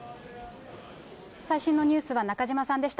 最新のニュースは中島さんでした。